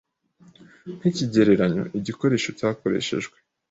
nkikigereranyo, igikoresho cyakoreshejwe